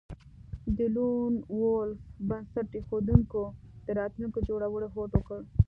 د لون وولف بنسټ ایښودونکو د راتلونکي جوړولو هوډ وکړ